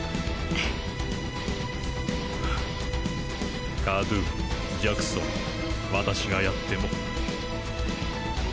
フッカドゥジャクソン私がやっても？